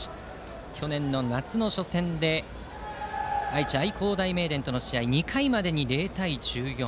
去年の夏の初戦で愛知・愛工大名電との試合で２回までに０対１４。